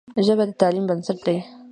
ژبه د تعلیم بنسټ دی.